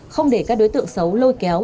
không để các đối tượng xấu lôi kéo